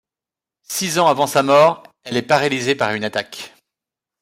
Six ans avant sa mort, elle est paralysée par une attaque.